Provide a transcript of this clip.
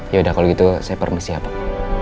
yaudah kalau gitu saya permisi pak